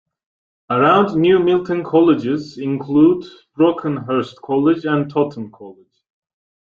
Around New Milton colleges include Brockenhurst College and Totton College.